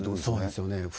そうですよね